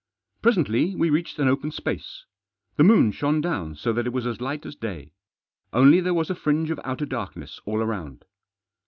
Presently we reached an open space. The moon shone down so that it was as light as day. Only there was a fringe of outer darkness all around.